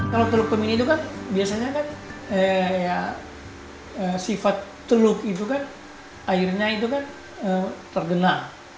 kalau teluk tomini itu kan biasanya sifat teluk itu kan airnya itu kan terdena